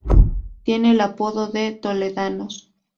Tienen el apodo de "Toledanos".